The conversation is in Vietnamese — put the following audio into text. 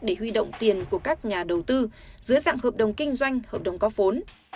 để huy động tiền của các nhà đầu tư dưới dạng hợp đồng kinh doanh hợp đồng có vốn